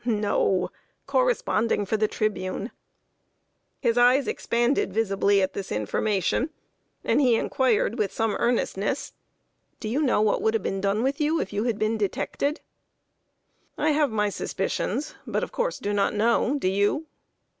"No; corresponding for The Tribune." His eyes expanded visibly at this information, and he inquired, with some earnestness "Do you know what would have been done with you if you had been detected?" "I have my suspicions, but, of course, do not know. Do you?"